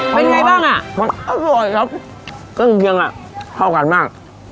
เป็นไงบ้างอ่ะมันอร่อยครับเครื่องเคียงอ่ะเข้ากันมาก